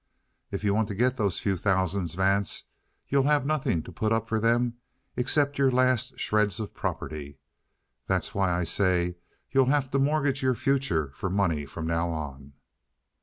"If you want to get those few thousands, Vance, you have nothing to put up for them except your last shreds of property. That's why I say you'll have to mortgage your future for money from now on."